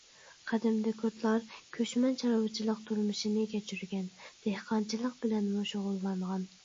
قەدىمدە كۇردلار كۆچمەن چارۋىچىلىق تۇرمۇشىنى كەچۈرگەن، دېھقانچىلىق بىلەنمۇ شۇغۇللانغان.